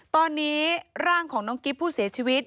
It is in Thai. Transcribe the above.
ตอนนี้ร่างของน้องกิ๊บผู้เสียชีวิต